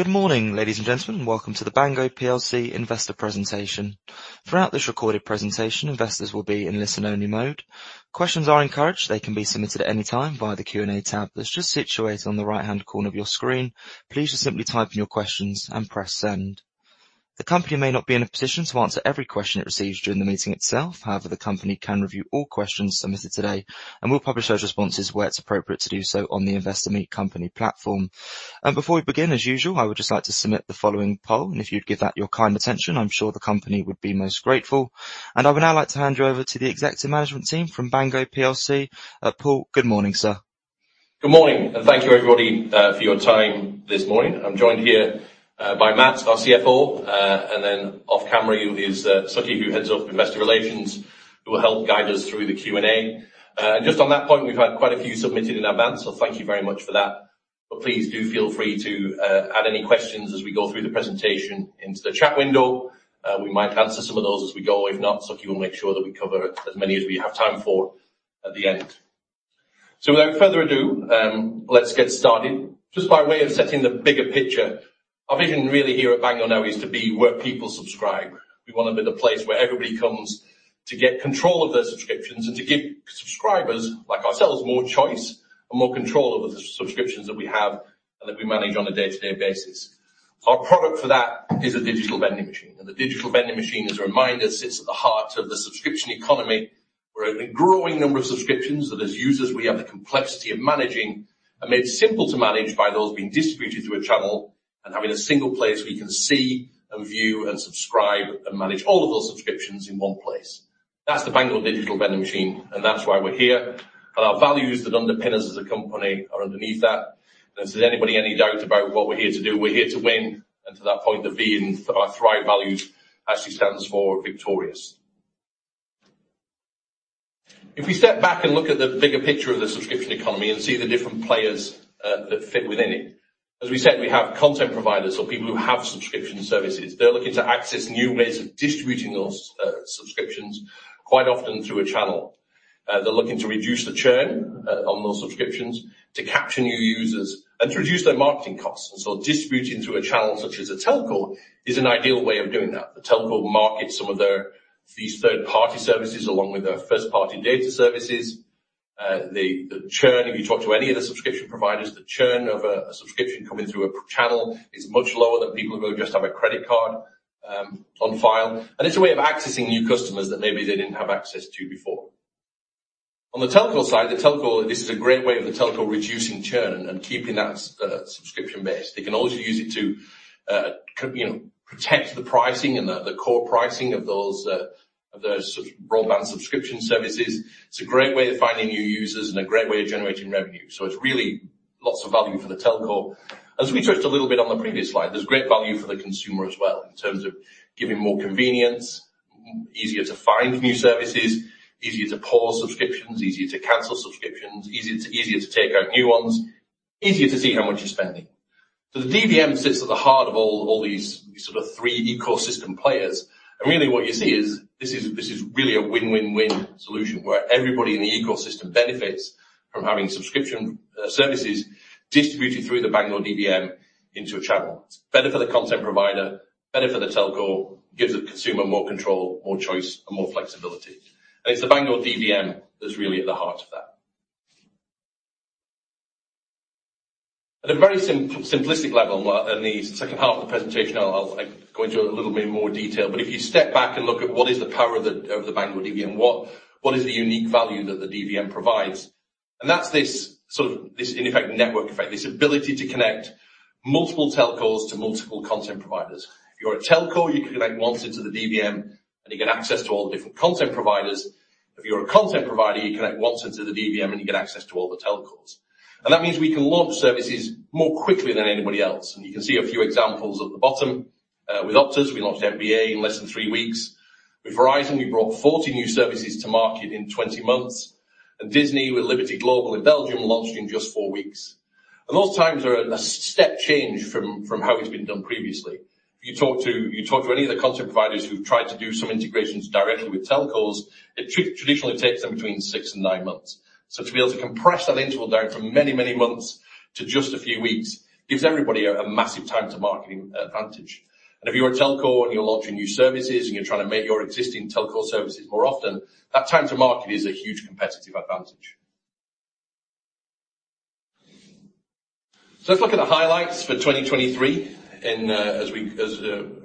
Good morning, ladies and gentlemen. Welcome to the Bango PLC investor presentation. Throughout this recorded presentation, investors will be in listen-only mode. Questions are encouraged. They can be submitted at any time via the Q&A tab that's just situated on the right-hand corner of your screen. Please just simply type in your questions and press send. The company may not be in a position to answer every question it receives during the meeting itself. However, the company can review all questions submitted today, and will publish those responses where it's appropriate to do so on the Investor Meet Company platform. Before we begin, as usual, I would just like to submit the following poll, and if you'd give that your kind attention, I'm sure the company would be most grateful. I would now like to hand you over to the executive management team from Bango PLC. Paul, good morning, sir. Good morning, and thank you, everybody, for your time this morning. I'm joined here by Matt, our CFO, and then off-camera is Sukhi, who heads up investor relations, who will help guide us through the Q&A. Just on that point, we've had quite a few submitted in advance, so thank you very much for that. Please do feel free to add any questions as we go through the presentation into the chat window. We might answer some of those as we go. If not, Sukhi will make sure that we cover as many as we have time for at the end. Without further ado, let's get started. Just by way of setting the bigger picture, our vision really here at Bango now is to be where people subscribe. We want to be the place where everybody comes to get control of their subscriptions and to give subscribers, like ourselves, more choice and more control over the subscriptions that we have and that we manage on a day-to-day basis. Our product for that is a Digital Vending Machine, and the Digital Vending Machine, as a reminder, sits at the heart of the subscription economy, where a growing number of subscriptions that as users we have the complexity of managing are made simple to manage by those being distributed through a channel, and having a single place we can see and view and subscribe and manage all of those subscriptions in one place. That's the Bango Digital Vending Machine, and that's why we're here. Our values that underpin us as a company are underneath that. If there's anybody any doubt about what we're here to do, we're here to win, and to that point, the V in our THRIVE values actually stands for victorious. If we step back and look at the bigger picture of the subscription economy and see the different players that fit within it. As we said, we have content providers or people who have subscription services. They're looking to access new ways of distributing those subscriptions, quite often through a channel. They're looking to reduce the churn on those subscriptions to capture new users and to reduce their marketing costs. Distributing through a channel such as a telco is an ideal way of doing that. The telco will market some of these third-party services along with their first-party data services. The churn, if you talk to any of the subscription providers, the churn of a subscription coming through a channel is much lower than people who just have a credit card on file. It's a way of accessing new customers that maybe they didn't have access to before. On the telco side, this is a great way of the telco reducing churn and keeping that subscription base. They can also use it to protect the pricing and the core pricing of those broadband subscription services. It's a great way of finding new users and a great way of generating revenue. It's really lots of value for the telco. As we touched a little bit on the previous slide, there's great value for the consumer as well in terms of giving more convenience, easier to find new services, easier to pause subscriptions, easier to cancel subscriptions, easier to take out new ones, easier to see how much you're spending. The DVM sits at the heart of all these sort of three ecosystem players. Really what you see is this is really a win-win-win solution, where everybody in the ecosystem benefits from having subscription services distributed through the Bango DVM into a channel. It's better for the content provider, better for the telco, gives the consumer more control, more choice, and more flexibility. It's the Bango DVM that's really at the heart of that. At a very simplistic level, and the second half of the presentation I'll go into it a little bit more detail, but if you step back and look at what is the power of the Bango DVM, what is the unique value that the DVM provides? That's this in effect, network effect, this ability to connect multiple telcos to multiple content providers. If you're a telco, you connect once into the DVM, and you get access to all the different content providers. If you're a content provider, you connect once into the DVM, and you get access to all the telcos. That means we can launch services more quickly than anybody else. You can see a few examples at the bottom. With Optus, we launched NBA in less than three weeks. With Verizon, we brought 40 new services to market in 20 months. Disney with Liberty Global in Belgium launched in just four weeks. Those times are a step change from how it's been done previously. If you talk to any of the content providers who've tried to do some integrations directly with telcos, it traditionally takes them between six and nine months. To be able to compress that interval down from many, many months to just a few weeks gives everybody a massive time-to-market advantage. If you're a telco and you're launching new services and you're trying to make your existing telco services more often, that time to market is a huge competitive advantage. Let's look at the highlights for 2023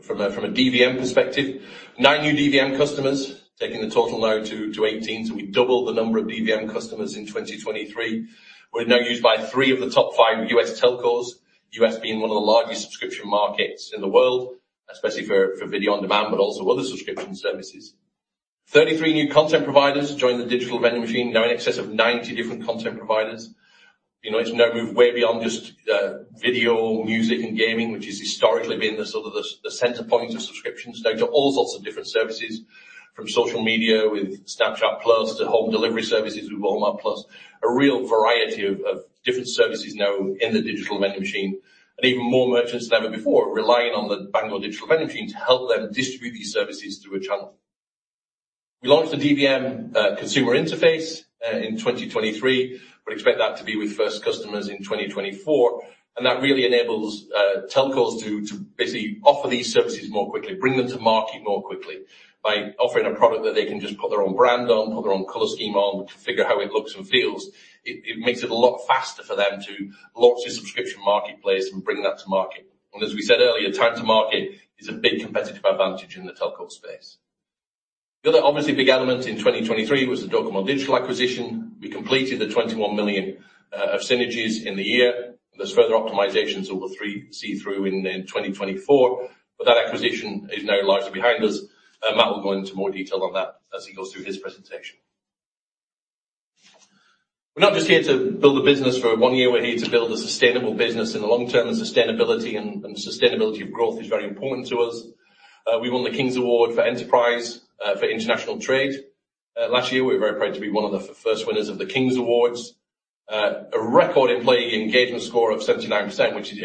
from a DVM perspective. Nine new DVM customers, taking the total now to 18. We doubled the number of DVM customers in 2023. We're now used by three of the top five U.S. telcos, U.S. being one of the largest subscription markets in the world, especially for video on demand, but also other subscription services. 33 new content providers joined the Digital Vending Machine, now in excess of 90 different content providers. It's now moved way beyond just video, music, and gaming, which has historically been the sort of the center point of subscriptions now to all sorts of different services, from social media with Snapchat+ to home delivery services with Walmart+. A real variety of different services now in the Digital Vending Machine, and even more merchants than ever before relying on the Bango Digital Vending Machine to help them distribute these services through a channel. We launched the DVM Consumer Interface in 2023. We expect that to be with first customers in 2024. That really enables telcos to basically offer these services more quickly, bring them to market more quickly by offering a product that they can just put their own brand on, put their own color scheme on, configure how it looks and feels. It makes it a lot faster for them to launch a subscription marketplace and bring that to market. As we said earlier, time to market is a big competitive advantage in the telco space. The other obviously big element in 2023 was the Docomo Digital acquisition. We completed the 21 million of synergies in the year. There's further optimizations we will see through in 2024, but that acquisition is now largely behind us, and Matt will go into more detail on that as he goes through his presentation. We're not just here to build a business for one year, we're here to build a sustainable business in the long term, and sustainability and sustainability of growth is very important to us. We won The King's Awards for Enterprise for International Trade last year. We were very proud to be one of the first winners of The King's Awards. A record employee engagement score of 79%, which is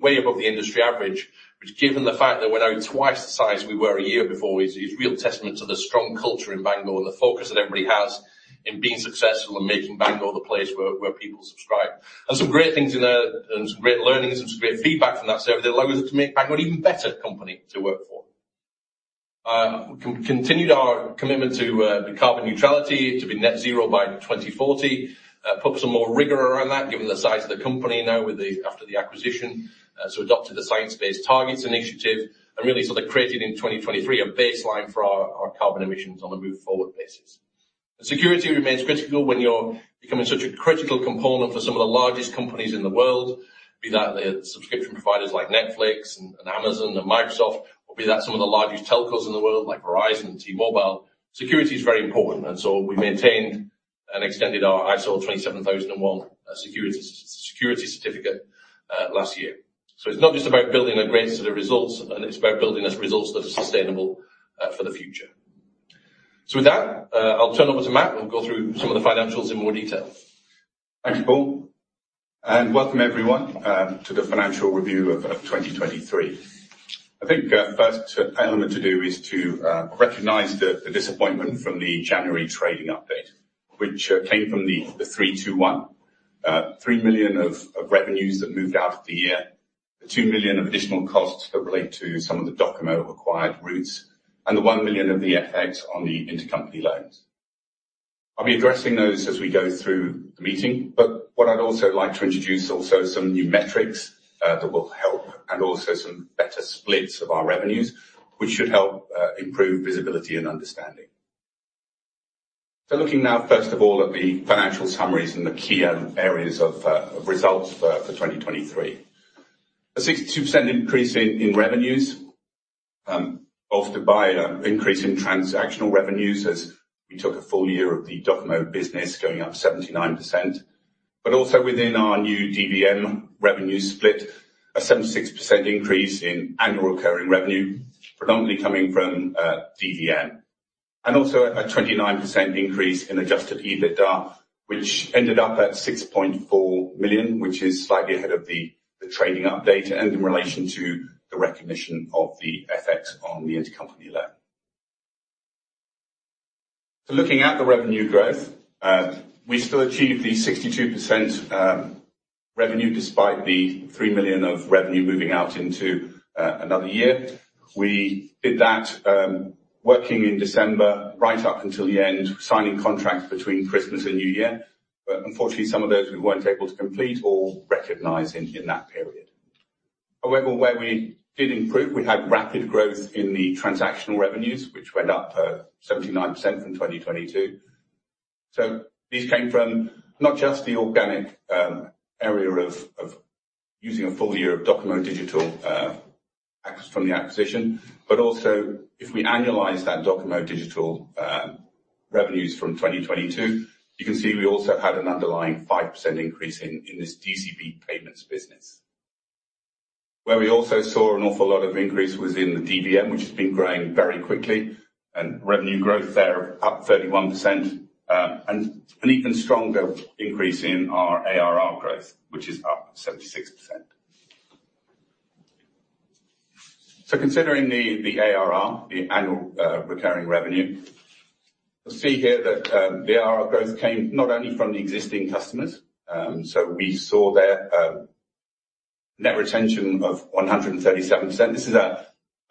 way above the industry average, which given the fact that we're now twice the size we were a year before, is real testament to the strong culture in Bango and the focus that everybody has in being successful and making Bango the place where people subscribe. Some great things in there, and some great learnings and some great feedback from that survey that allows us to make Bango an even better company to work for. Continued our commitment to carbon neutrality to be net zero by 2040. Put some more rigor around that given the size of the company now after the acquisition. Adopted the Science Based Targets initiative, really created in 2023 a baseline for our carbon emissions on a move forward basis. Security remains critical when you're becoming such a critical component for some of the largest companies in the world, be that the subscription providers like Netflix and Amazon and Microsoft, or be that some of the largest telcos in the world like Verizon and T-Mobile. Security is very important, we maintained and extended our ISO 27001 security certificate last year. It's not just about building the greatest results, it's about building us results that are sustainable for the future. With that, I'll turn over to Matt, who'll go through some of the financials in more detail. Thank you, Paul, and welcome everyone to the financial review of 2023. I think first element to do is to recognize the disappointment from the January trading update, which came from the three two one. 3 million of revenues that moved out of the year, the 2 million of additional costs that relate to some of the Docomo acquired routes, the 1 million of the FX on the intercompany loans. I'll be addressing those as we go through the meeting, what I'd like to introduce also some new metrics that will help and some better splits of our revenues, which should help improve visibility and understanding. Looking now, first of all, at the financial summaries and the key areas of results for 2023. A 62% increase in revenues, offered by an increase in transactional revenues as we took a full year of the Docomo business going up 79%, also within our new DVM revenue split, a 76% increase in annual recurring revenue, predominantly coming from DVM. A 29% increase in adjusted EBITDA, which ended up at 6.4 million, which is slightly ahead of the trading update and in relation to the recognition of the FX on the intercompany loan. Looking at the revenue growth, we still achieved the 62% revenue despite the 3 million of revenue moving out into another year. We did that working in December right up until the end, signing contracts between Christmas and New Year. Unfortunately, some of those we weren't able to complete or recognize in that period. However, where we did improve, we had rapid growth in the transactional revenues, which went up 79% from 2022. These came from not just the organic area of using a full year of Docomo Digital from the acquisition, but also if we annualize that Docomo Digital revenues from 2022, you can see we also had an underlying 5% increase in this DCB payments business. Where we also saw an awful lot of increase was in the DVM, which has been growing very quickly, and revenue growth there up 31% and an even stronger increase in our ARR growth, which is up 76%. Considering the ARR, the annual recurring revenue, you'll see here that the ARR growth came not only from the existing customers. We saw there net retention of 137%. This is a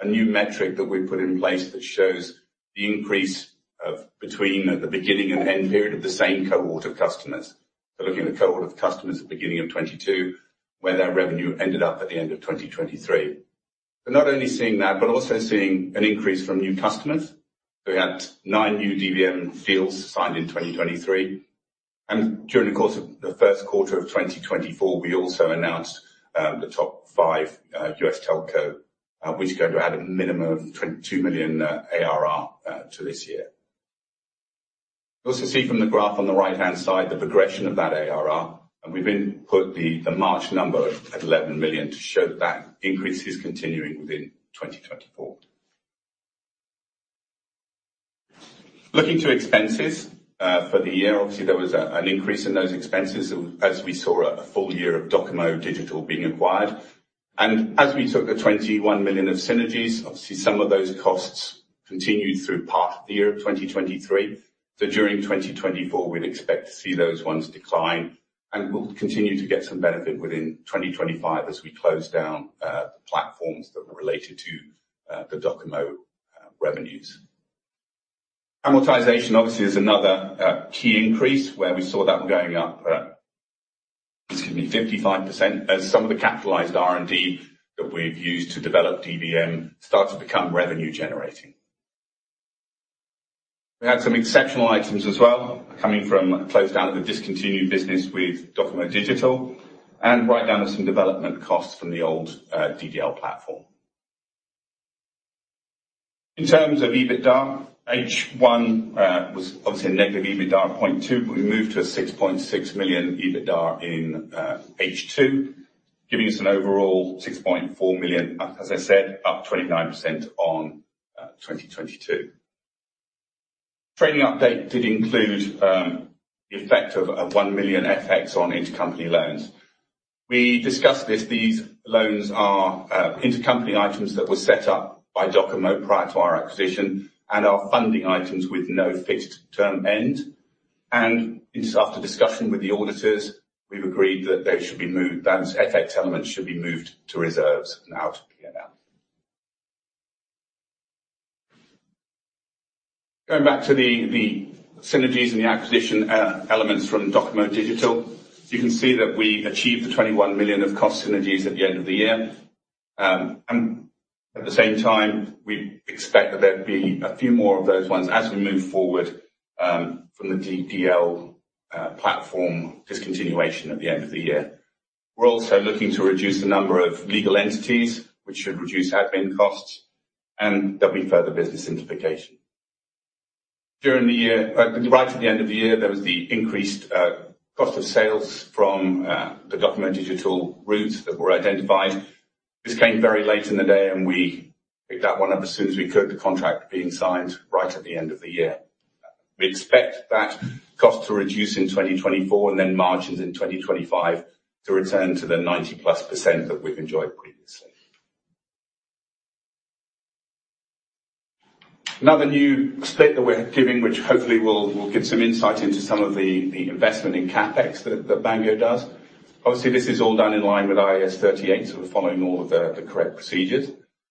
new metric that we've put in place that shows the increase of between the beginning and end period of the same cohort of customers. Looking at the cohort of customers at the beginning of 2022, where their revenue ended up at the end of 2023. Not only seeing that, but also seeing an increase from new customers. We had nine new DVM deals signed in 2023. During the course of the first quarter of 2024, we also announced the top five U.S. telco, which is going to add a minimum of 22 million ARR to this year. You also see from the graph on the right-hand side the progression of that ARR, and we've input the March number at 11 million to show that increase is continuing within 2024. Looking to expenses for the year, obviously, there was an increase in those expenses as we saw a full year of Docomo Digital being acquired. As we took the 21 million of synergies, obviously some of those costs continued through part of the year of 2023. During 2024, we'd expect to see those ones decline, and we'll continue to get some benefit within 2025 as we close down the platforms that were related to the Docomo revenues. Amortization, obviously, is another key increase where we saw that one going up, excuse me, 55% as some of the capitalized R&D that we've used to develop DVM start to become revenue generating. We had some exceptional items as well, coming from close down of the discontinued business with Docomo Digital, and write down of some development costs from the old DDL platform. In terms of EBITDA, H1 was obviously a negative EBITDA of 0.2, but we moved to a 6.6 million EBITDA in H2, giving us an overall 6.4 million, as I said, up 29% on 2022. Trading update did include the effect of a 1 million FX on intercompany loans. We discussed this. These loans are intercompany items that were set up by Docomo prior to our acquisition and are funding items with no fixed term end. Just after discussion with the auditors, we've agreed that those FX elements should be moved to reserves now to P&L. Going back to the synergies and the acquisition elements from Docomo Digital, you can see that we achieved the 21 million of cost synergies at the end of the year. At the same time, we expect that there'll be a few more of those ones as we move forward from the DDL platform discontinuation at the end of the year. We're also looking to reduce the number of legal entities, which should reduce admin costs, and there'll be further business simplification. During the year, right at the end of the year, there was the increased cost of sales from the Docomo Digital routes that were identified. This came very late in the day, and we picked that one up as soon as we could, the contract being signed right at the end of the year. We expect that cost to reduce in 2024, and then margins in 2025 to return to the 90-plus % that we've enjoyed previously. Another new split that we're giving, which hopefully will give some insight into some of the investment in CapEx that Bango does. Obviously, this is all done in line with IAS 38, so we're following all of the correct procedures.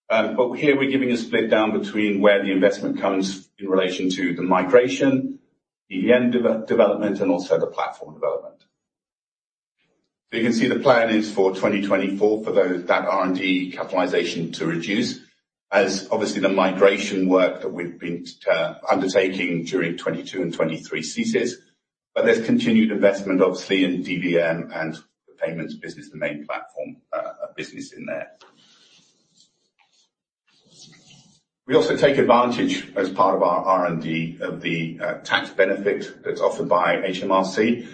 Here we're giving a split down between where the investment comes in relation to the migration, DVM development, and also the platform development. You can see the plan is for 2024 for that R&D capitalization to reduce as obviously the migration work that we've been undertaking during 2022 and 2023 ceases. There's continued investment, obviously, in DVM and the payments business, the main platform business in there. We also take advantage as part of our R&D of the tax benefit that's offered by HMRC.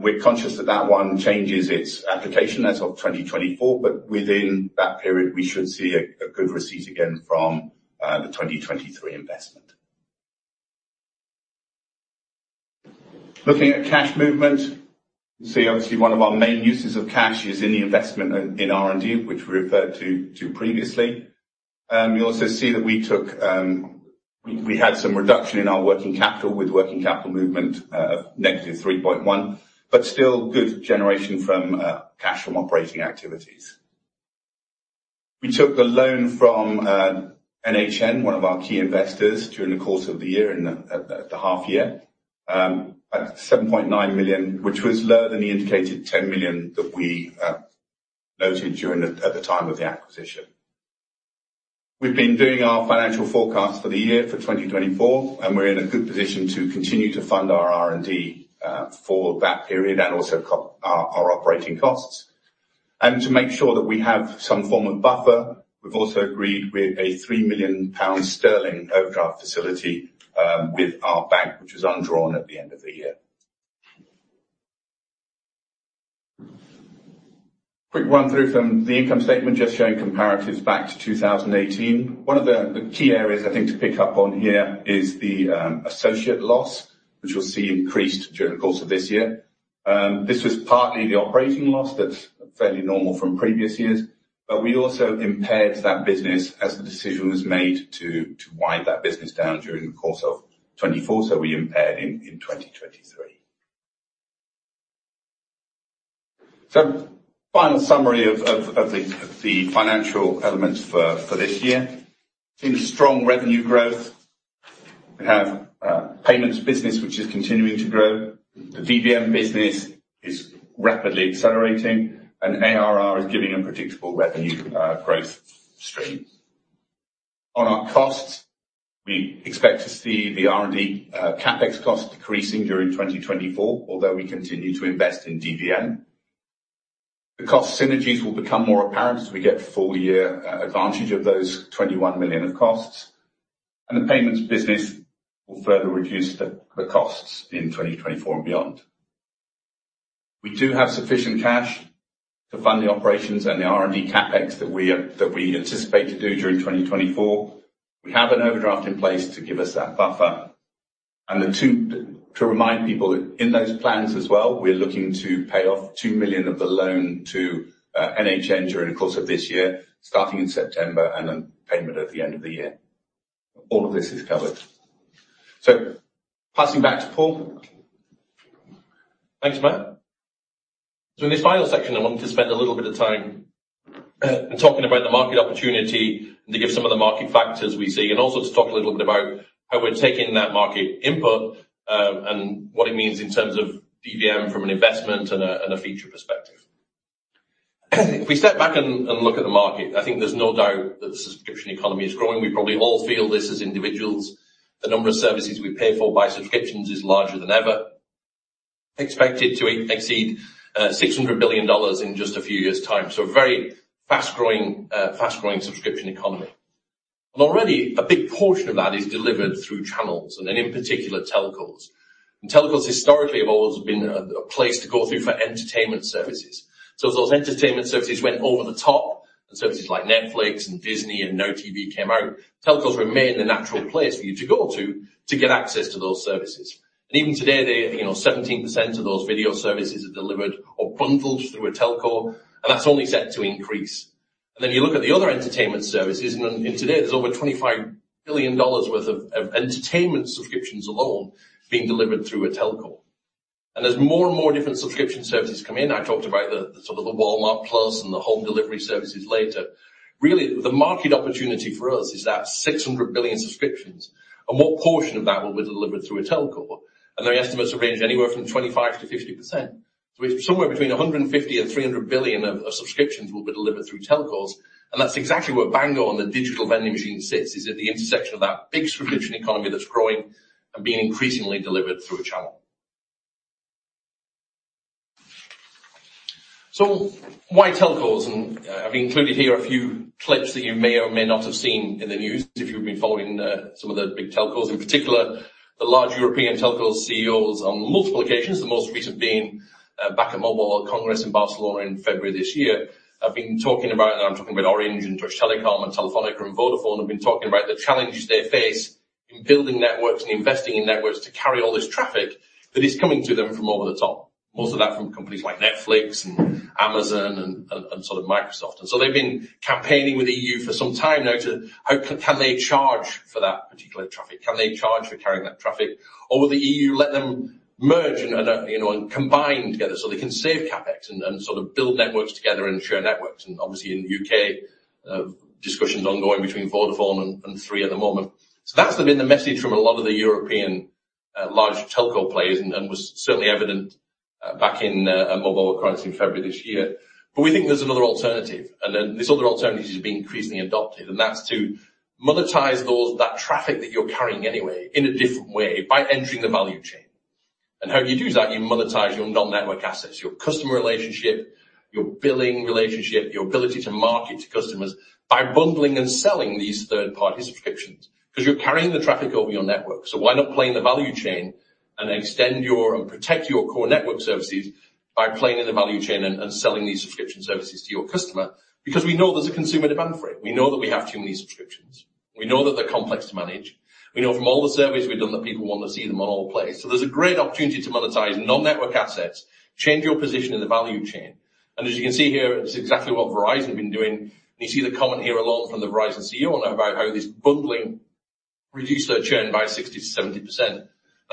We're conscious that that one changes its application as of 2024. Within that period, we should see a good receipt again from the 2023 investment. Looking at cash movement, you can see obviously one of our main uses of cash is in the investment in R&D, which we referred to previously. You also see that we had some reduction in our working capital with working capital movement of negative 3.1. Still good generation from cash from operating activities. We took the loan from NHN, one of our key investors, during the course of the year and at the half year, at 7.9 million, which was lower than the indicated 10 million that we noted at the time of the acquisition. We've been doing our financial forecast for the year for 2024, and we're in a good position to continue to fund our R&D for that period and also cover our operating costs. To make sure that we have some form of buffer, we've also agreed with a 3 million sterling overdraft facility with our bank, which was undrawn at the end of the year. Here is a quick run-through from the income statement just showing comparatives back to 2018. One of the key areas I think to pick up on here is the associate loss, which you'll see increased during the course of this year. This was partly the operating loss that's fairly normal from previous years. We also impaired that business as the decision was made to wind that business down during the course of 2024, so we impaired in 2023. Final summary of the financial elements for this year. We've seen a strong revenue growth. We have payments business which is continuing to grow. The DVM business is rapidly accelerating, and ARR is giving a predictable revenue growth stream. On our costs, we expect to see the R&D CapEx cost decreasing during 2024, although we continue to invest in DVM. The cost synergies will become more apparent as we get full year advantage of those 21 million of costs, and the payments business will further reduce the costs in 2024 and beyond. We do have sufficient cash to fund the operations and the R&D CapEx that we anticipate to do during 2024. We have an overdraft in place to give us that buffer. To remind people, in those plans as well, we're looking to pay off 2 million of the loan to NHN during the course of this year, starting in September, and then payment at the end of the year. All of this is covered. Passing back to Paul. Thanks, Matt. In this final section, I want to spend a little bit of time talking about the market opportunity and to give some of the market factors we see and also to talk a little bit about how we're taking that market input, and what it means in terms of DVM from an investment and a future perspective. If we step back and look at the market, I think there's no doubt that the subscription economy is growing. We probably all feel this as individuals. The number of services we pay for by subscriptions is larger than ever, expected to exceed $600 billion in just a few years’ time. A very fast-growing subscription economy. Already a big portion of that is delivered through channels and in particular, telcos. Telcos historically have always been a place to go through for entertainment services. As those entertainment services went over the top and services like Netflix and Disney and NOW TV came out, telcos remained the natural place for you to go to get access to those services. Even today, 17% of those video services are delivered or bundled through a telco, and that's only set to increase. Then you look at the other entertainment services, and today there's over $25 billion worth of entertainment subscriptions alone being delivered through a telco. As more and more different subscription services come in, I talked about the Walmart+ and the home delivery services later. Really, the market opportunity for us is that $600 billion subscriptions and what portion of that will be delivered through a telco, and their estimates range anywhere from 25%-50%. Somewhere between 150 billion and 300 billion of subscriptions will be delivered through telcos, and that's exactly where Bango and the Digital Vending Machine sits, is at the intersection of that big subscription economy that's growing and being increasingly delivered through a channel. Why telcos? I've included here a few clips that you may or may not have seen in the news, if you've been following some of the big telcos in particular, the large European telco CEOs on multiple occasions, the most recent being back at Mobile World Congress in Barcelona in February this year, have been talking about, and I'm talking about Orange and Deutsche Telekom and Telefónica and Vodafone, have been talking about the challenges they face in building networks and investing in networks to carry all this traffic that is coming to them from over the top, most of that from companies like Netflix and Amazon and Microsoft. They've been campaigning with the EU for some time now to how can they charge for that particular traffic. Can they charge for carrying that traffic? Will the EU let them merge and combine together so they can save CapEx and build networks together and share networks, and obviously in the U.K., discussions ongoing between Vodafone and Three at the moment. That's been the message from a lot of the European large telco players and was certainly evident back in Mobile World Congress in February this year. We think there's another alternative, and this other alternative is being increasingly adopted, and that's to monetize that traffic that you're carrying anyway in a different way by entering the value chain. How do you do that? You monetize your non-network assets, your customer relationship, your billing relationship, your ability to market to customers by bundling and selling these third-party subscriptions. You're carrying the traffic over your network, so why not play in the value chain and extend and protect your core network services by playing in the value chain and selling these subscription services to your customer? We know there's a consumer demand for it. We know that we have too many subscriptions. We know that they're complex to manage. We know from all the surveys we've done that people want to see them all in one place. There's a great opportunity to monetize non-network assets, change your position in the value chain. As you can see here, it's exactly what Verizon have been doing. You see the comment here alone from the Verizon CEO about how this bundling reduced their churn by 60%-70%. I've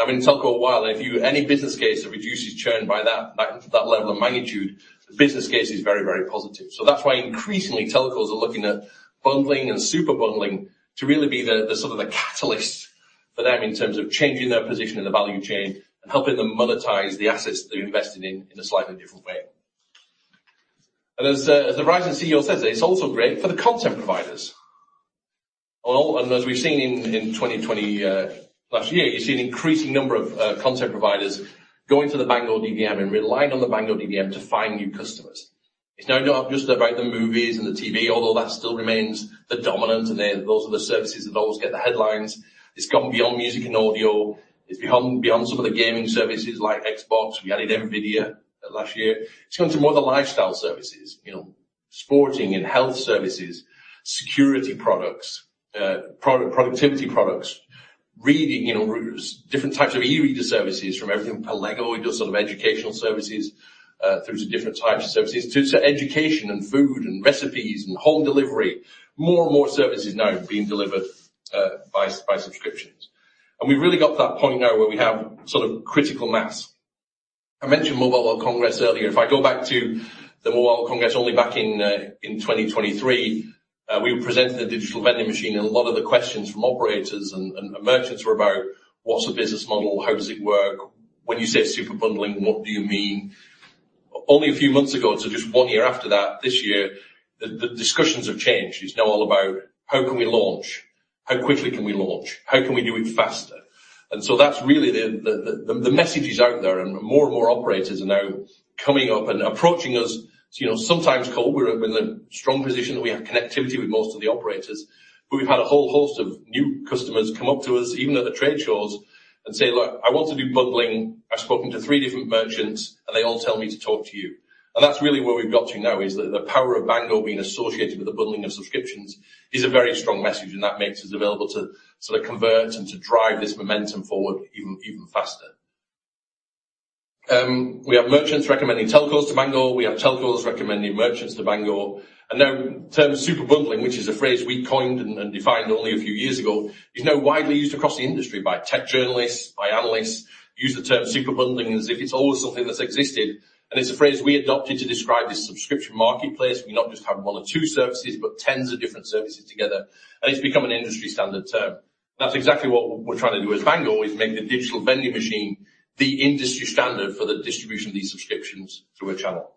been in telco a while, if you have any business case that reduces churn by that level of magnitude, the business case is very, very positive. That's why increasingly, telcos are looking at bundling and Super Bundling to really be the sort of the catalyst for them in terms of changing their position in the value chain and helping them monetize the assets that they're investing in a slightly different way. As the Verizon CEO says there, it's also great for the content providers. As we've seen in 2020, last year, you see an increasing number of content providers going to the Bango DVM and relying on the Bango DVM to find new customers. It's now not just about the movies and the TV, although that still remains the dominant, and those are the services that always get the headlines. It's gone beyond music and audio. It's beyond some of the gaming services like Xbox. We added Nvidia last year. It's gone to more the lifestyle services, sporting and health services, security products, productivity products, reading, different types of e-reader services from everything from LEGO who does sort of educational services, through to different types of services to education and food and recipes and home delivery. More and more services now are being delivered by subscriptions. We've really got that point now where we have sort of critical mass. I mentioned Mobile World Congress earlier. If I go back to the Mobile World Congress only back in 2023, we were presenting the Digital Vending Machine, and a lot of the questions from operators and merchants were about what's the business model? How does it work? When you say Super Bundling, what do you mean? Only a few months ago, just one year after that, this year, the discussions have changed. It's now all about how can we launch? How quickly can we launch? How can we do it faster? That's really the message is out there, and more and more operators are now coming up and approaching us. Sometimes, Cole, we're in a strong position that we have connectivity with most of the operators, but we've had a whole host of new customers come up to us, even at the trade shows and say, "Look, I want to do bundling. I've spoken to three different merchants, and they all tell me to talk to you." That's really where we've got to now, is the power of Bango being associated with the bundling of subscriptions is a very strong message, and that makes us available to sort of convert and to drive this momentum forward even faster. We have merchants recommending telcos to Bango. We have telcos recommending merchants to Bango. Now the term Super Bundling, which is a phrase we coined and defined only a few years ago, is now widely used across the industry by tech journalists, by analysts, use the term Super Bundling as if it's always something that's existed, and it's a phrase we adopted to describe this subscription marketplace. We not just have one or two services, but tens of different services together, and it's become an industry-standard term. That's exactly what we're trying to do as Bango, is make the Digital Vending Machine the industry standard for the distribution of these subscriptions through a channel.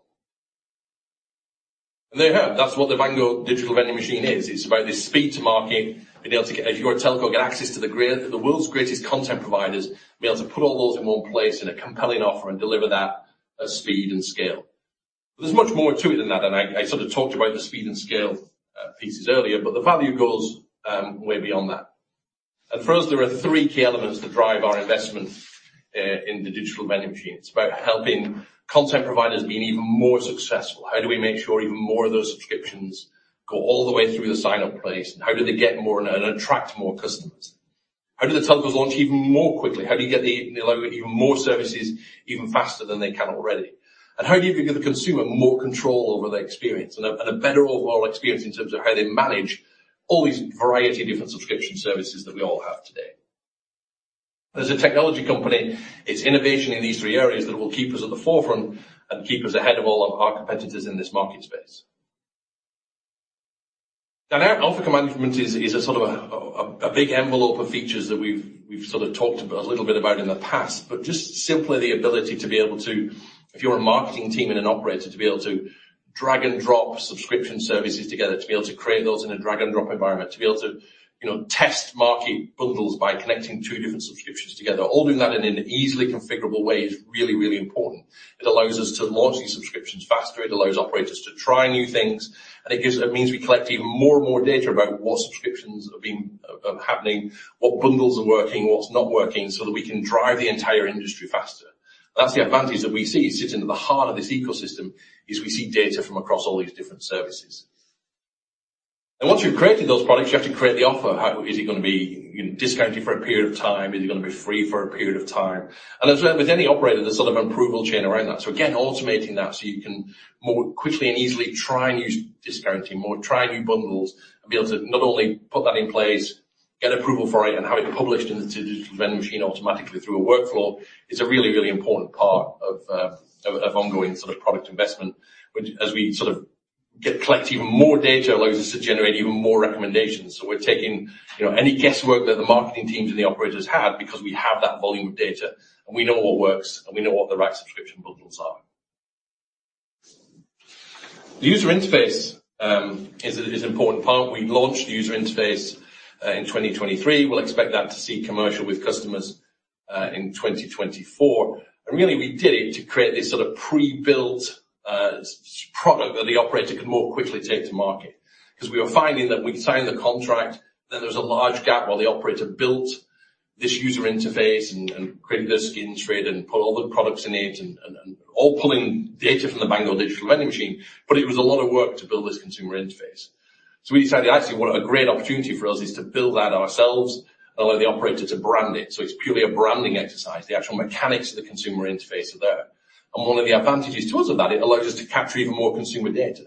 There you have it. That's what the Bango Digital Vending Machine is. It's about this speed to market, being able to, if you're a telco, get access to the world's greatest content providers, be able to put all those in one place in a compelling offer and deliver that at speed and scale. There's much more to it than that, and I sort of talked about the speed and scale pieces earlier, but the value goes way beyond that. For us, there are three key elements that drive our investment in the Digital Vending Machine. It's about helping content providers be even more successful. How do we make sure even more of those subscriptions go all the way through the sign-up place? How do they get more and attract more customers? How do the telcos launch even more quickly? How do you get even more services even faster than they can already? How do you give the consumer more control over their experience and a better overall experience in terms of how they manage all these variety of different subscription services that we all have today? As a technology company, it's innovation in these three areas that will keep us at the forefront and keep us ahead of all of our competitors in this market space. Our offer management is a sort of a big envelope of features that we've sort of talked a little bit about in the past. Just simply the ability to be able to, if you're a marketing team and an operator, to be able to drag and drop subscription services together, to be able to create those in a drag and drop environment, to be able to test market bundles by connecting two different subscriptions together. All doing that in an easily configurable way is really, really important. It allows us to launch these subscriptions faster. It allows operators to try new things, and it means we collect even more and more data about what subscriptions are happening, what bundles are working, what's not working, so that we can drive the entire industry faster. That's the advantage that we see sitting at the heart of this ecosystem, is we see data from across all these different services. Once you've created those products, you have to create the offer. Is it going to be discounted for a period of time? Is it going to be free for a period of time? As with any operator, there's sort of an approval chain around that. Again, automating that so you can more quickly and easily try new discounting, try new bundles, and be able to not only put that in place, get approval for it, and have it published in the Digital Vending Machine automatically through a workflow is a really, really important part of ongoing sort of product investment. As we sort of collect even more data, allows us to generate even more recommendations. We're taking any guesswork that the marketing teams and the operators had because we have that volume of data, and we know what works, and we know what the right subscription bundles are. The user interface is an important part. We launched the user interface in 2023. We'll expect that to see commercial with customers in 2024. Really, we did it to create this sort of pre-built product that the operator could more quickly take to market. Because we were finding that we'd sign the contract, then there was a large gap while the operator built this user interface and created their skin trade and put all the products in it and all pulling data from the Bango Digital Vending Machine. It was a lot of work to build this consumer interface. We decided, actually, a great opportunity for us is to build that ourselves and allow the operator to brand it. It's purely a branding exercise, the actual mechanics of the consumer interface are there. One of the advantages to us of that, it allows us to capture even more consumer data.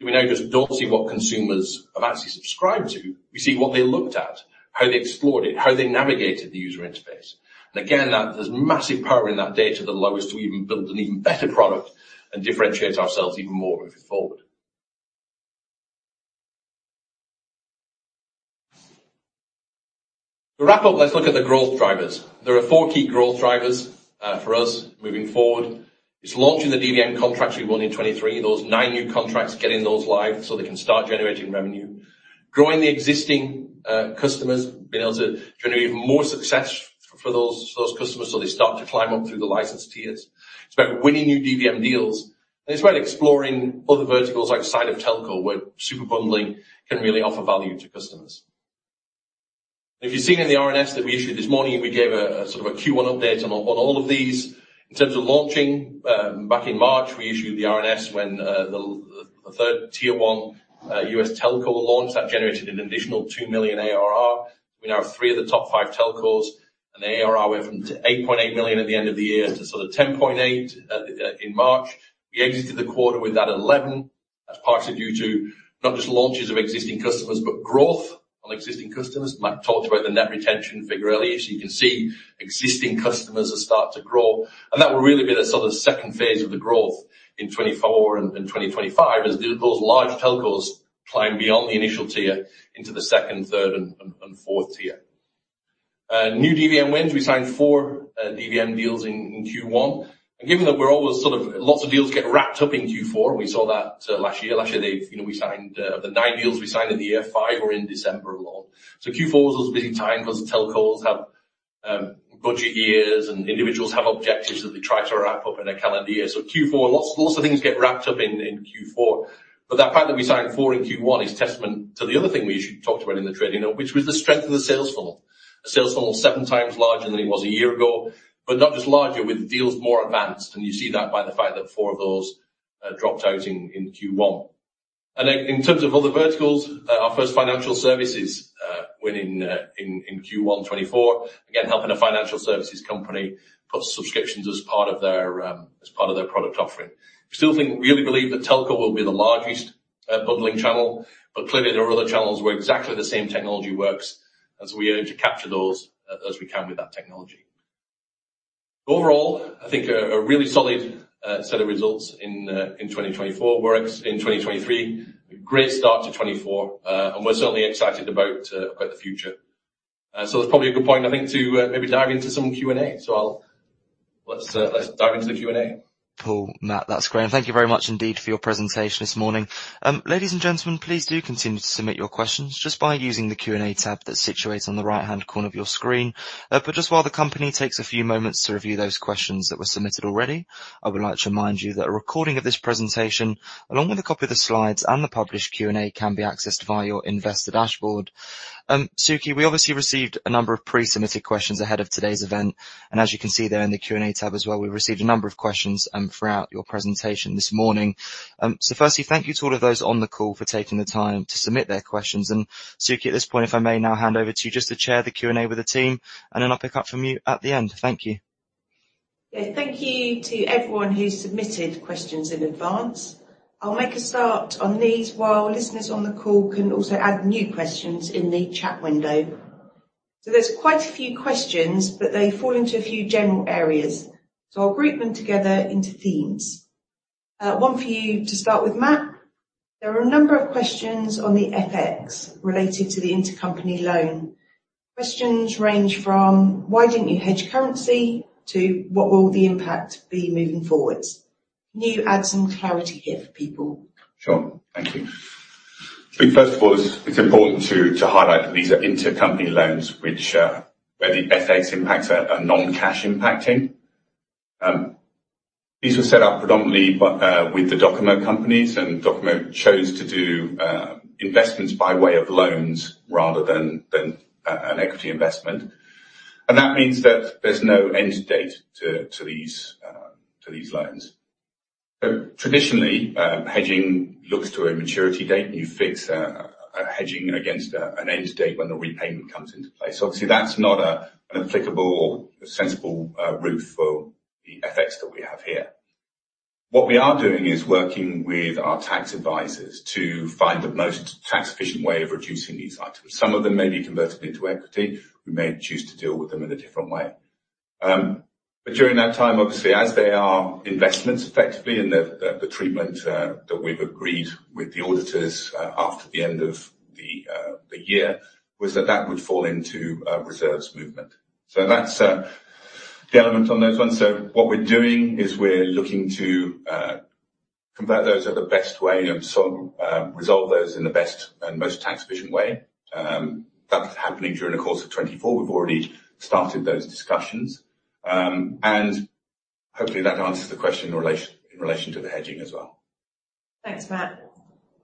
We now just don't see what consumers have actually subscribed to. We see what they looked at, how they explored it, how they navigated the user interface. Again, there's massive power in that data that allows us to even build an even better product and differentiate ourselves even more moving forward. To wrap up, let's look at the growth drivers. There are four key growth drivers for us moving forward. It's launching the DVM contracts we won in 2023, those nine new contracts, getting those live so they can start generating revenue. Growing the existing customers, being able to generate even more success for those customers so they start to climb up through the license tiers. It's about winning new DVM deals. It's about exploring other verticals outside of telco, where Super Bundling can really offer value to customers. If you've seen in the RNS that we issued this morning, we gave a sort of a Q1 update on all of these. In terms of launching, back in March, we issued the RNS when the third tier 1 U.S. telco launch, that generated an additional 2 million ARR. We now have three of the top five telcos, and the ARR went from 8.8 million at the end of the year to sort of 10.8 million in March. We exited the quarter with that 11 million. That's partly due to not just launches of existing customers but growth on existing customers. Matt talked about the net retention figure earlier, so you can see existing customers have start to grow, and that will really be the sort of second phase of the growth in 2024 and 2025 as those large telcos climb beyond the initial tier into the second, third, and fourth tier. New DVM wins. We signed four DVM deals in Q1. Given that we're always sort of lots of deals get wrapped up in Q4, and we saw that last year. Last year, we signed, of the nine deals we signed in the year, five were in December alone. Q4 was this busy time because the telcos have budget years, and individuals have objectives that they try to wrap up in a calendar year. Q4, lots of things get wrapped up in Q4. That fact that we signed four in Q1 is testament to the other thing we talked about in the trading, which was the strength of the sales funnel. A sales funnel seven times larger than it was a year ago, but not just larger, with deals more advanced, and you see that by the fact that four of those dropped out in Q1. In terms of other verticals, our first financial services win in Q1 2024, again, helping a financial services company put subscriptions as part of their product offering. We really believe that telco will be the largest bundling channel, but clearly there are other channels where exactly the same technology works as we urge to capture those as we can with that technology. Overall, I think a really solid set of results in 2023. A great start to 2024. We're certainly excited about the future. That's probably a good point, I think, to maybe dive into some Q&A. Let's dive into the Q&A. Paul, Matt, that's great. Thank you very much indeed for your presentation this morning. Ladies and gentlemen, please do continue to submit your questions just by using the Q&A tab that's situated on the right-hand corner of your screen. Just while the company takes a few moments to review those questions that were submitted already, I would like to remind you that a recording of this presentation, along with a copy of the slides and the published Q&A, can be accessed via your investor dashboard. Sukhi, we obviously received a number of pre-submitted questions ahead of today's event. As you can see there in the Q&A tab as well, we received a number of questions throughout your presentation this morning. Firstly, thank you to all of those on the call for taking the time to submit their questions. Sukhi, at this point, if I may now hand over to you just to chair the Q&A with the team, I'll pick up from you at the end. Thank you. Yeah. Thank you to everyone who submitted questions in advance. I'll make a start on these while listeners on the call can also add new questions in the chat window. There's quite a few questions, but they fall into a few general areas. I'll group them together into themes. One for you to start with, Matt. There are a number of questions on the FX related to the intercompany loan. Questions range from, why didn't you hedge currency? To, what will the impact be moving forward? Can you add some clarity here for people? Sure. Thank you. I think first of all, it's important to highlight that these are intercompany loans where the FX impacts are non-cash impacting. These were set up predominantly with the Docomo companies. Docomo chose to do investments by way of loans rather than an equity investment. That means that there's no end date to these loans. Traditionally, hedging looks to a maturity date, and you fix hedging against an end date when the repayment comes into place. Obviously, that's not an applicable or sensible route for the FX that we have here. What we are doing is working with our tax advisors to find the most tax-efficient way of reducing these items. Some of them may be converted into equity. We may choose to deal with them in a different way. During that time, obviously, as they are investments effectively, and the treatment that we've agreed with the auditors, after the end of the year, was that that would fall into reserves movement. That's the element on those ones. What we're doing is we're looking to convert those at the best way and resolve those in the best and most tax-efficient way. That's happening during the course of 2024. We've already started those discussions. Hopefully that answers the question in relation to the hedging as well. Thanks, Matt.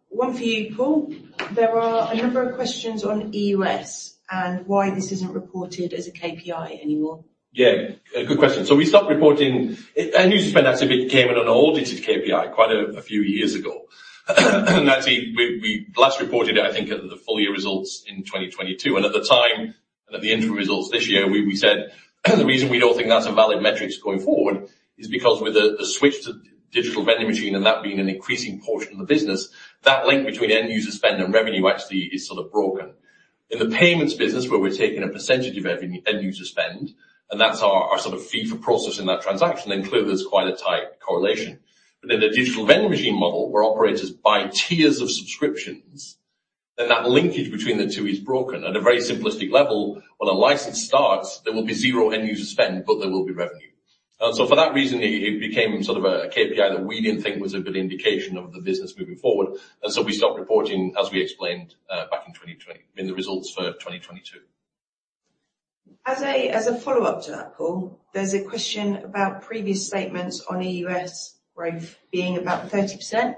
One for you, Paul. There are a number of questions on EUS and why this isn't reported as a KPI anymore. Yeah. Good question. We stopped reporting end user spend as it became an unaudited KPI quite a few years ago. Actually, we last reported it, I think, at the full year results in 2022. At the time, and at the interim results this year, we said the reason we don't think that's a valid metric going forward is because with the switch to Digital Vending Machine and that being an increasing portion of the business, that link between end user spend and revenue actually is sort of broken. In the payments business, where we're taking a percentage of end user spend, and that's our sort of fee for processing that transaction, then clearly there's quite a tight correlation. In the Digital Vending Machine model, where operators buy tiers of subscriptions, then that linkage between the two is broken. At a very simplistic level, when a license starts, there will be zero end user spend, but there will be revenue. For that reason, it became sort of a KPI that we didn't think was a good indication of the business moving forward. We stopped reporting, as we explained back in 2020, in the results for 2022. As a follow-up to that, Paul, there's a question about previous statements on EUS growth being about 30%.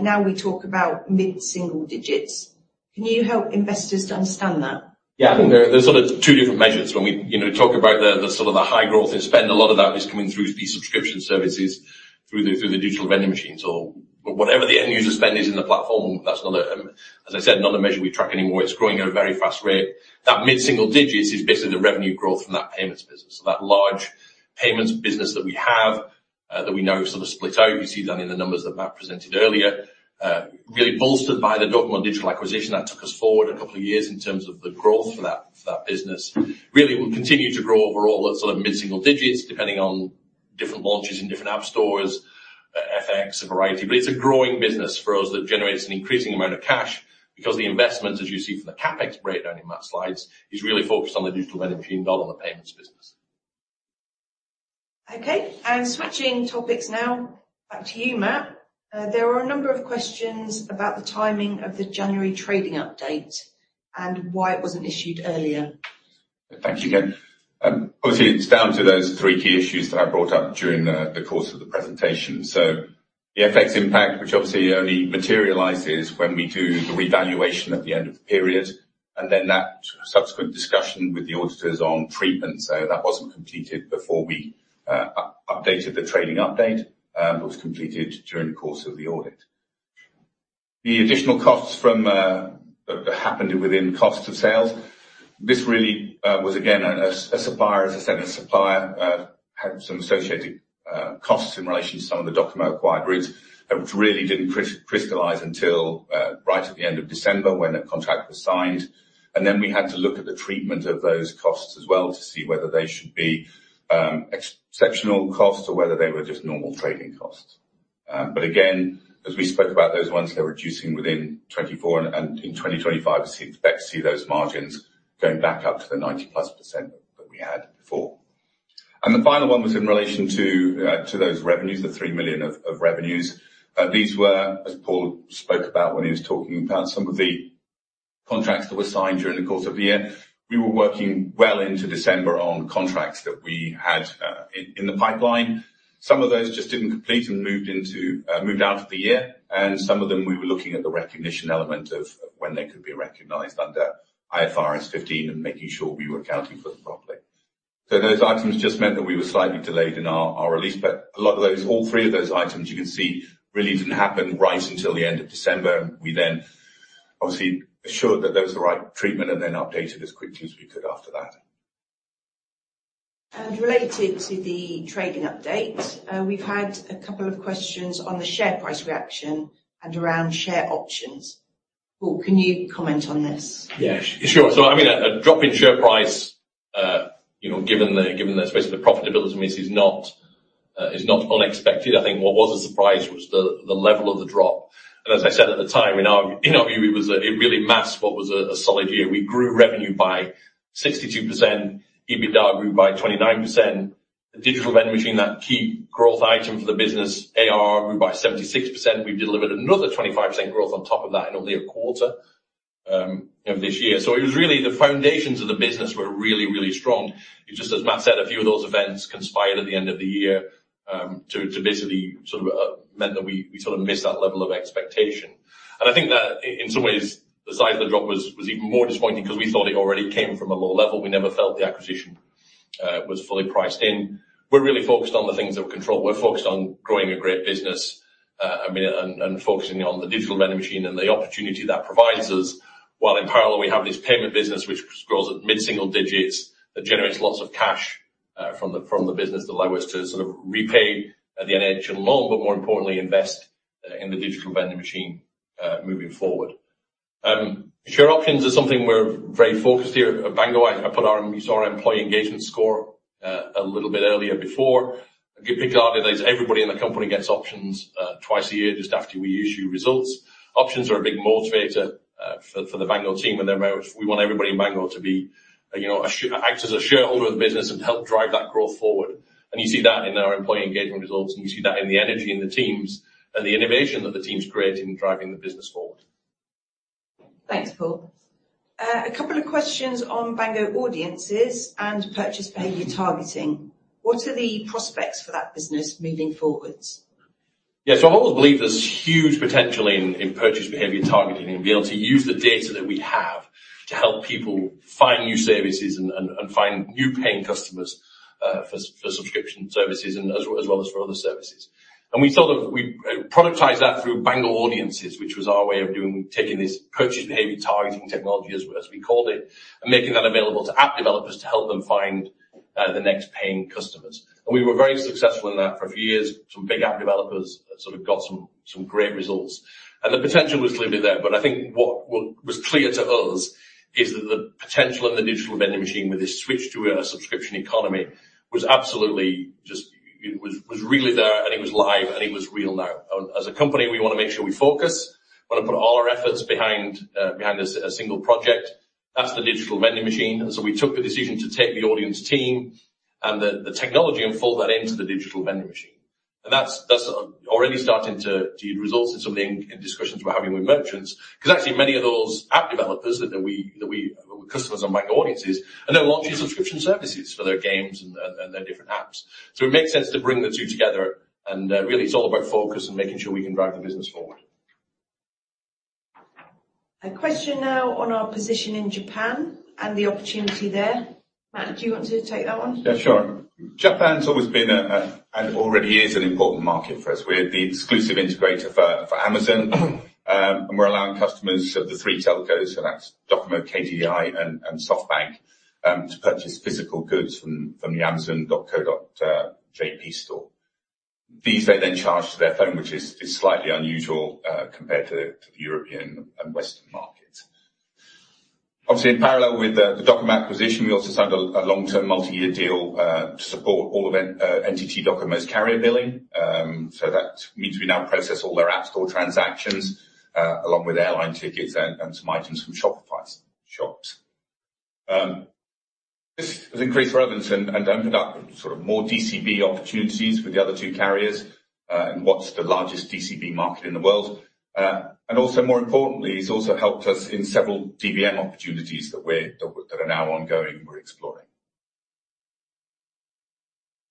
Now we talk about mid-single digits. Can you help investors to understand that? I think there's sort of two different measures when we talk about the sort of the high growth in spend. A lot of that is coming through the subscription services, through the Digital Vending Machines or whatever the end user spend is in the platform. That's not a, as I said, not a measure we track anymore. It's growing at a very fast rate. That mid-single digits is basically the revenue growth from that payments business. That large payments business that we have, that we now sort of split out, you see that in the numbers that Matt presented earlier, really bolstered by the Docomo Digital acquisition that took us forward a couple of years in terms of the growth for that business. Really, we'll continue to grow overall at sort of mid-single digits, depending on different launches in different app stores, FX, a variety. It's a growing business for us that generates an increasing amount of cash because the investment, as you see from the CapEx breakdown in Matt's slides, is really focused on the Digital Vending Machine model and the payments business. Switching topics now, back to you, Matt. There are a number of questions about the timing of the January trading update and why it wasn't issued earlier. Thanks again. Obviously, it's down to those three key issues that I brought up during the course of the presentation. The FX impact, which obviously only materializes when we do the revaluation at the end of the period. That subsequent discussion with the auditors on treatment. That wasn't completed before we updated the trading update, but was completed during the course of the audit. The additional costs happened within cost of sales. This really was, again, a supplier, as I said, a supplier had some associated costs in relation to some of the Docomo acquired routes that really didn't crystallize until right at the end of December when the contract was signed. We had to look at the treatment of those costs as well to see whether they should be exceptional costs or whether they were just normal trading costs. Again, as we spoke about those ones, they're reducing within 2024 and in 2025 we expect to see those margins going back up to the 90-plus% that we had before. The final one was in relation to those revenues, 3 million of revenues. These were, as Paul spoke about when he was talking about some of the contracts that were signed during the course of the year. We were working well into December on contracts that we had in the pipeline. Some of those just didn't complete and moved out of the year, and some of them, we were looking at the recognition element of when they could be recognized under IFRS 15 and making sure we were accounting for them properly. Those items just meant that we were slightly delayed in our release. A lot of those, all three of those items you can see really didn't happen right until the end of December. We obviously assured that those were the right treatment and updated as quickly as we could after that. Related to the trading update, we've had a couple of questions on the share price reaction and around share options. Paul, can you comment on this? Yeah, sure. A drop in share price, given the profitability of the business is not unexpected. I think what was a surprise was the level of the drop. As I said at the time, in our view, it really masked what was a solid year. We grew revenue by 62%, EBITDA grew by 29%. The Digital Vending Machine, that key growth item for the business, ARR grew by 76%. We've delivered another 25% growth on top of that in only a quarter of this year. It was really the foundations of the business were really, really strong. It's just, as Matt said, a few of those events conspired at the end of the year to basically meant that we sort of missed that level of expectation. I think that in some ways, the size of the drop was even more disappointing because we thought it already came from a low level. We never felt the acquisition was fully priced in. We're really focused on the things that we control. We're focused on growing a great business, and focusing on the Digital Vending Machine and the opportunity that provides us, while in parallel, we have this payment business which grows at mid-single digits, that generates lots of cash from the business to allow us to sort of repay the NHN loan, but more importantly, invest in the Digital Vending Machine moving forward. Share options are something we're very focused here at Bango. You saw our employee engagement score a little bit earlier before. A big part of it is everybody in the company gets options twice a year just after we issue results. Options are a big motivator for the Bango team, and we want everybody in Bango to act as a shareholder of the business and help drive that growth forward. You see that in our employee engagement results, and you see that in the energy in the teams and the innovation that the team's creating, driving the business forward. Thanks, Paul. A couple of questions on Bango Audiences and Purchase Behavior Targeting. What are the prospects for that business moving forward? I've always believed there's huge potential in Purchase Behavior Targeting and being able to use the data that we have to help people find new services and find new paying customers for subscription services as well as for other services. We productized that through Bango Audiences, which was our way of taking this Purchase Behavior Targeting technology, as we called it, and making that available to app developers to help them find the next paying customers. We were very successful in that for a few years. Some big app developers sort of got some great results, and the potential was clearly there. I think what was clear to us is that the potential in the Digital Vending Machine with this switch to a subscription economy was absolutely just It was really there, and it was live, and it was real now. As a company, we want to make sure we focus, we want to put all our efforts behind a single project. That's the Digital Vending Machine, we took the decision to take the audience team and the technology and fold that into the Digital Vending Machine. That's already starting to result in some of the discussions we're having with merchants, because actually many of those app developers that were customers on Bango Audiences are now launching subscription services for their games and their different apps. It makes sense to bring the two together, and really it's all about focus and making sure we can drive the business forward. A question now on our position in Japan and the opportunity there. Matt, do you want to take that one? Yeah, sure. Japan's always been and already is an important market for us. We're the exclusive integrator for Amazon, and we're allowing customers of the three telcos, so that's Docomo, KDDI, and SoftBank, to purchase physical goods from the amazon.co.jp store. These they then charge to their phone, which is slightly unusual compared to the European and Western markets. Obviously, in parallel with the Docomo acquisition, we also signed a long-term multi-year deal to support all of NTT Docomo's carrier billing. That means we now process all their App Store transactions, along with airline tickets and some items from Shopify shops. This has increased revenues and opened up sort of more DCB opportunities with the other two carriers, in what's the largest DCB market in the world. More importantly, it's also helped us in several DVM opportunities that are now ongoing we're exploring.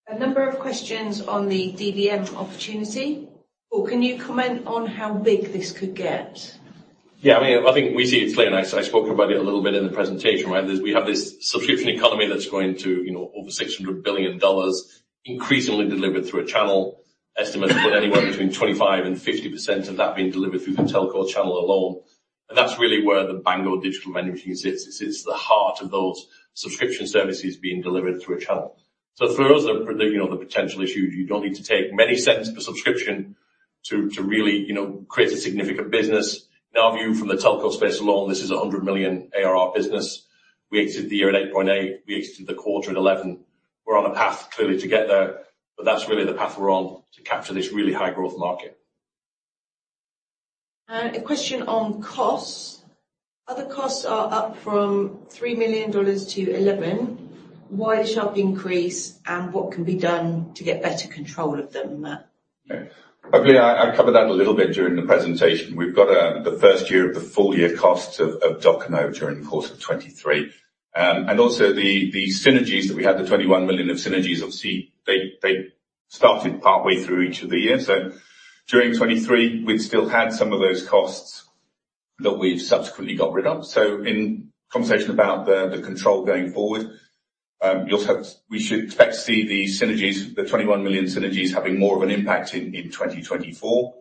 A number of questions on the DVM opportunity. Paul, can you comment on how big this could get? Yeah. I think we see it clearly, and I spoke about it a little bit in the presentation, right? We have this subscription economy that's growing to over $600 billion, increasingly delivered through a channel. Estimates put anywhere between 25% and 50% of that being delivered through the telco channel alone. That's really where the Bango Digital Vending Machine sits. It sits at the heart of those subscription services being delivered through a channel. For us, the potential issue is you don't need to take many cents per subscription to really create a significant business. In our view, from the telco space alone, this is a 100 million ARR business. We exited the year at 8.8, we exited the quarter at 11. We're on a path, clearly, to get there, but that's really the path we're on to capture this really high growth market. A question on costs. Other costs are up from GBP 3 million to 11. Why the sharp increase, and what can be done to get better control of them, Matt? I believe I covered that a little bit during the presentation. We've got the first year of the full year costs of Docomo during the course of 2023. The synergies that we had, the 21 million of synergies, obviously, they started partway through each of the years. During 2023, we'd still had some of those costs that we've subsequently got rid of. In conversation about the control going forward, we should expect to see the 21 million synergies having more of an impact in 2024.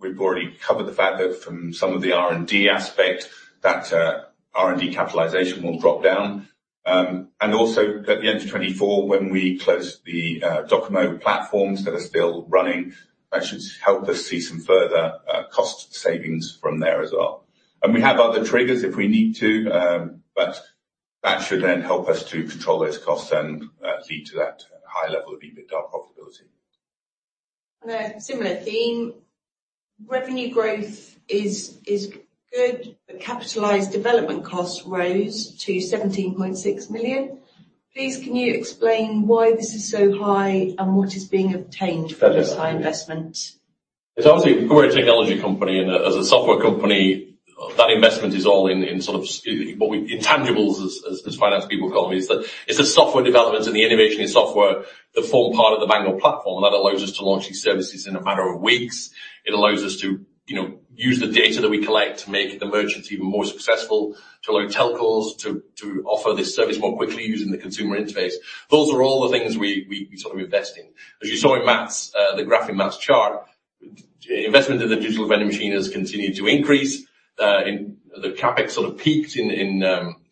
We've already covered the fact that from some of the R&D aspect, that R&D capitalization will drop down. At the end of 2024, when we close the Docomo platforms that are still running, that should help us see some further cost savings from there as well. We have other triggers if we need to, but that should then help us to control those costs and lead to that high level of EBITDA profitability. On a similar theme, revenue growth is good, but capitalized development costs rose to 17.6 million. Please, can you explain why this is so high, and what is being obtained for this high investment? Obviously, we're a technology company, and as a software company, that investment is all in tangibles, as finance people call them, is the software development and the innovation in software that form part of the Bango platform that allows us to launch these services in a matter of weeks. It allows us to use the data that we collect to make the merchants even more successful, to allow telcos to offer this service more quickly using the consumer interface. Those are all the things we invest in. As you saw in the graph in Matt's chart, investment in the Digital Vending Machine has continued to increase. The CapEx sort of peaked in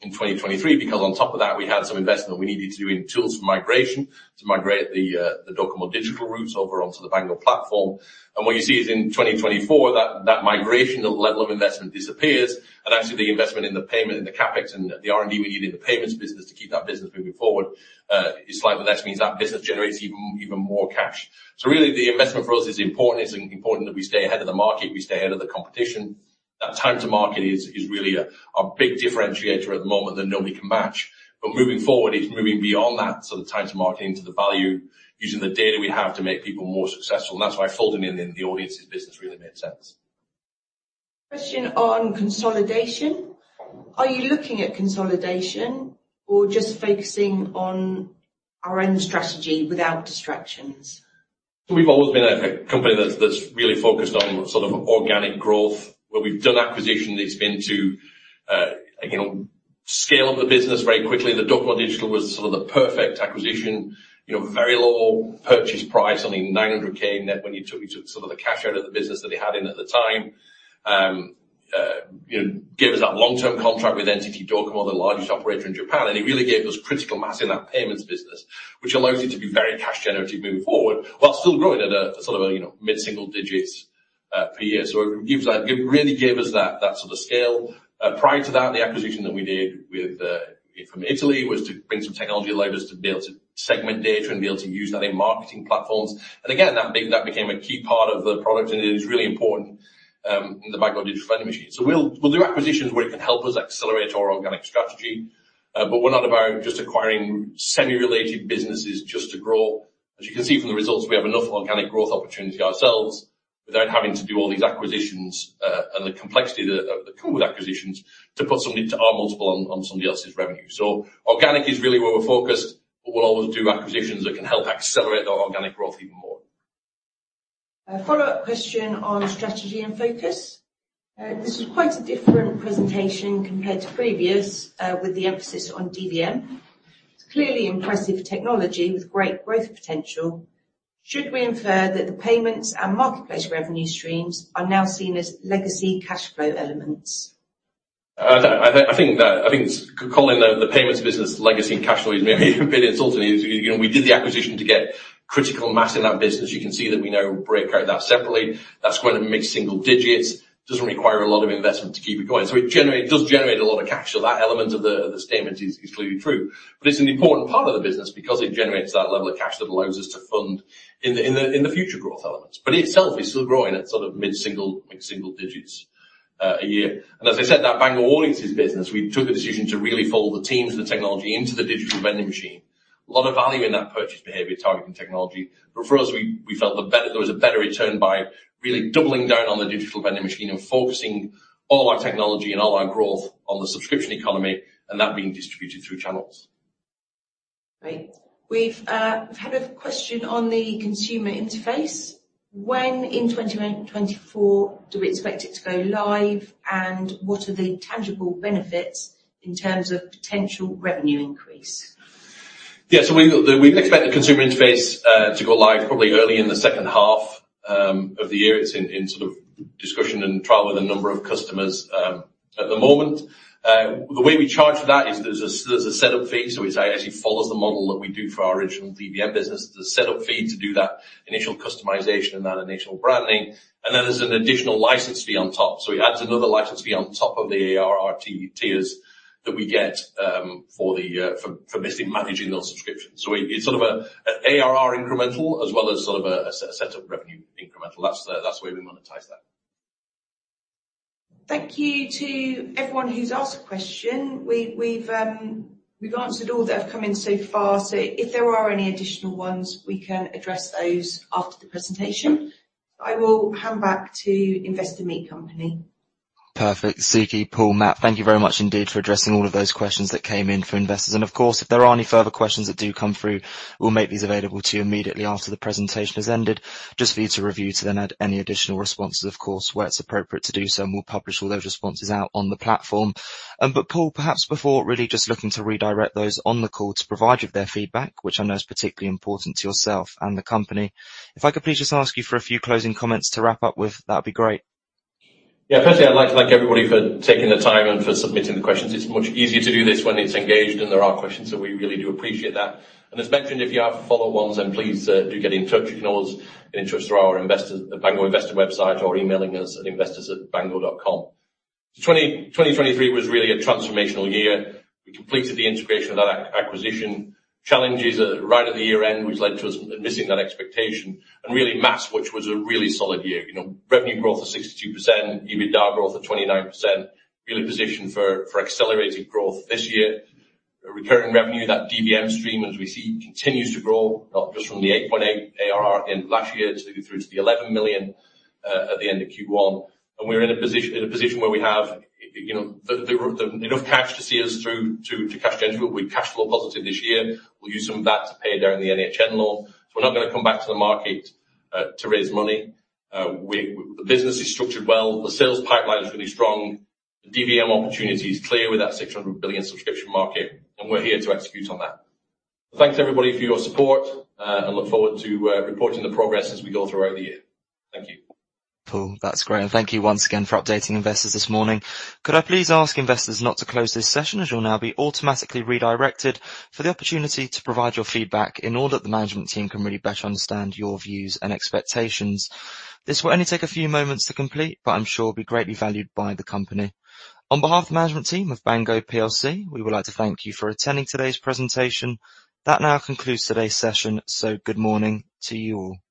2023 because, on top of that, we had some investment that we needed to do in tools for migration to migrate the Docomo Digital routes over onto the Bango platform. What you see is in 2024, that migration, that level of investment disappears, and actually, the investment in the payment, in the CapEx and the R&D we need in the payments business to keep that business moving forward is slightly less, means that business generates even more cash. Really, the investment for us is important. It's important that we stay ahead of the market, we stay ahead of the competition. That time to market is really our big differentiator at the moment that nobody can match. Moving forward is moving beyond that, so the time to market into the value using the data we have to make people more successful, and that's why folding in the Audiens business really made sense. Question on consolidation. Are you looking at consolidation or just focusing on our end strategy without distractions? We've always been a company that's really focused on organic growth. Where we've done acquisition, it's been to scale up the business very quickly. The Docomo Digital was sort of the perfect acquisition. Very low purchase price, only 900K net when you took the cash out of the business that they had in at the time. Gave us that long-term contract with NTT Docomo, the largest operator in Japan, and it really gave us critical mass in that payments business, which allows it to be very cash generative moving forward while still growing at a mid-single digits per year. It really gave us that sort of scale. Prior to that, the acquisition that we did from Italy was to bring some technology that allowed us to be able to segment data and be able to use that in marketing platforms. Again, that became a key part of the product, and it is really important in the Bango Digital Vending Machine. We'll do acquisitions where it can help us accelerate our organic strategy. We're not about just acquiring semi-related businesses just to grow. As you can see from the results, we have enough organic growth opportunity ourselves without having to do all these acquisitions, and the complexity that come with acquisitions, to put somebody to our multiple on somebody else's revenue. Organic is really where we're focused, but we'll always do acquisitions that can help accelerate that organic growth even more. A follow-up question on strategy and focus. This is quite a different presentation compared to previous, with the emphasis on DVM. It's clearly impressive technology with great growth potential. Should we infer that the payments and marketplace revenue streams are now seen as legacy cash flow elements? I think calling the payments business legacy and cash flow is maybe a bit insulting. We did the acquisition to get critical mass in that business. You can see that we now break out that separately. That's growing at mid-single digits, doesn't require a lot of investment to keep it going. It does generate a lot of cash, so that element of the statement is clearly true. It's an important part of the business because it generates that level of cash that allows us to fund in the future growth elements. It itself is still growing at mid-single digits a year. As I said, that Bango Audiens business, we took the decision to really fold the teams and the technology into the Digital Vending Machine. A lot of value in that Purchase Behavior Targeting technology. For us, we felt there was a better return by really doubling down on the Digital Vending Machine and focusing all our technology and all our growth on the subscription economy, and that being distributed through channels. Great. We've had a question on the consumer interface. When in 2024 do we expect it to go live, and what are the tangible benefits in terms of potential revenue increase? We'd expect the consumer interface to go live probably early in the second half of the year. It's in discussion and trial with a number of customers at the moment. The way we charge for that is there's a setup fee, so it actually follows the model that we do for our original DVM business. There's a setup fee to do that initial customization and that initial branding, and then there's an additional license fee on top. It adds another license fee on top of the ARR tiers that we get for basically managing those subscriptions. It's sort of ARR incremental as well as sort of a set of revenue incremental. That's the way we monetize that. Thank you to everyone who's asked a question. We've answered all that have come in so far. If there are any additional ones, we can address those after the presentation. I will hand back to Investor Meet Company. Perfect. Sukhi, Paul, Matt, thank you very much indeed for addressing all of those questions that came in for investors. Of course, if there are any further questions that do come through, we'll make these available to you immediately after the presentation has ended, just for you to review to then add any additional responses. Of course, where it's appropriate to do so, and we'll publish all those responses out on the platform. Paul, perhaps before really just looking to redirect those on the call to provide you with their feedback, which I know is particularly important to yourself and the company, if I could please just ask you for a few closing comments to wrap up with, that'd be great. Firstly, I'd like to thank everybody for taking the time and for submitting the questions. It's much easier to do this when it's engaged and there are questions, we really do appreciate that. As mentioned, if you have follow-up ones, please do get in touch. You can always get in touch through our Bango investor website or emailing us at investors@bango.com. 2023 was really a transformational year. We completed the integration of that acquisition. Challenges right at the year-end, which led to us missing that expectation, and really mass, which was a really solid year. Revenue growth of 62%, EBITDA growth of 29%, really positioned for accelerated growth this year. Recurring revenue, that DVM stream, as we see, continues to grow, not just from the 8.8 ARR end of last year through to the 11 million at the end of Q1. We're in a position where we have enough cash to see us through to cash change, but we're cash flow positive this year. We'll use some of that to pay down the NHN loan. We're not going to come back to the market, to raise money. The business is structured well. The sales pipeline is really strong. The DVM opportunity is clear with that $600 billion subscription market, and we're here to execute on that. Thanks, everybody, for your support, and look forward to reporting the progress as we go throughout the year. Thank you. Cool. That's great. Thank you once again for updating investors this morning. Could I please ask investors not to close this session as you'll now be automatically redirected for the opportunity to provide your feedback in order that the management team can really better understand your views and expectations. This will only take a few moments to complete, but I'm sure will be greatly valued by the company. On behalf of the management team of Bango PLC, we would like to thank you for attending today's presentation. That now concludes today's session. Good morning to you all.